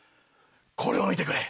これを見てくれ。